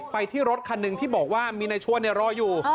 ที่รถคันหนึ่งที่บอกว่ามีนายชวนรออยู่